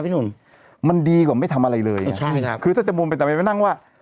พี่หนุ่มมันดีกว่าไม่ทำอะไรเลยใช่ครับคือถ้าจะมุมเป็นจำเป็นไปนั่งว่า